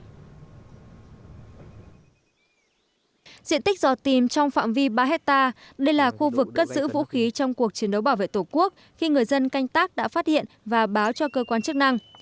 diện tích dò tìm trong phạm vi ba hectare đây là khu vực cất giữ vũ khí trong cuộc chiến đấu bảo vệ tổ quốc khi người dân canh tác đã phát hiện và báo cho cơ quan chức năng